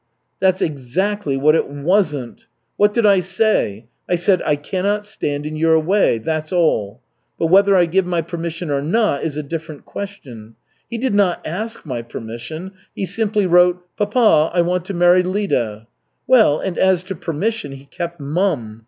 "That's exactly what it wasn't. What did I say? I said, 'I cannot stand in your way.' That's all. But whether I give my permission or not, is a different question. He did not ask my permission, he simply wrote, 'Papa, I want to marry Lida.' Well, and as to permission he kept mum.